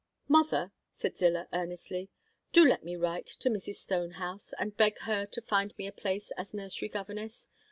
"Mother," said Zillah, earnestly, "do let me write to Mrs. Stonehouse, and beg her to find me a place as nursery governess.